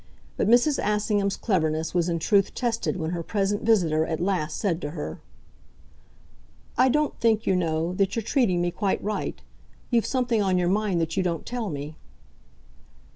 But Mrs. Assingham's cleverness was in truth tested when her present visitor at last said to her: "I don't think, you know, that you're treating me quite right. You've something on your mind that you don't tell me."